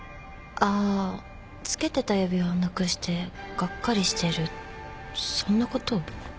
あ着けてた指輪をなくしてがっかりしてるそんなことを。